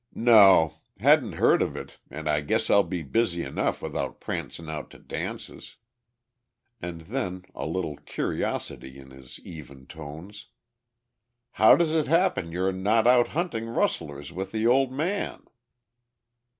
"No. Hadn't heard of it and I guess I'll be busy enough without prancing out to dances." And then, a little curiosity in his even tones, "How does it happen you're not out hunting rustlers with the old man?"